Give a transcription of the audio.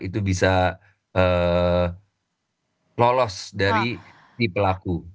itu bisa lolos dari si pelaku